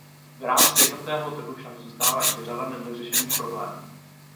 V rámci jednotného trhu však zůstává ještě řada nedořešených problémů.